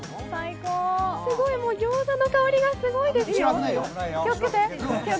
すごい餃子の香りがすごいですよ。